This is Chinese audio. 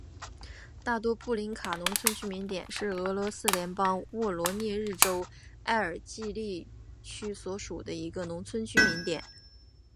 大多布林卡农村居民点是俄罗斯联邦沃罗涅日州埃尔季利区所属的一个农村居民点。